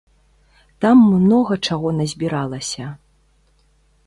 Там многа чаго назбіралася.